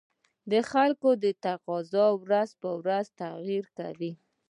د خلکو تقاتضا ورځ په ورځ تغير کوي